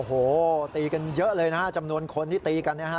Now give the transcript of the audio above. โอ้โหตีกันเยอะเลยนะฮะจำนวนคนที่ตีกันเนี่ยฮะ